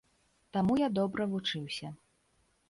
Таму я добра вучыўся.